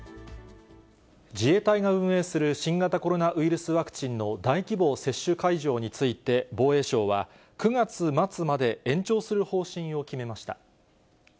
自衛隊が運営する新型コロナウイルスワクチンの大規模接種会場について防衛省は、９月末まで延長する方針を決めました。